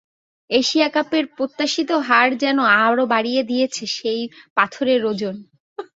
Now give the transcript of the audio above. Asia কাপের অপ্রত্যাশিত হার যেন আরও বাড়িয়ে দিয়েছে সেই পাথরের ওজন।